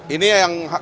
ini apa ya pak pak